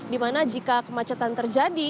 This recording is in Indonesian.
di mana jika kemacetan terjadi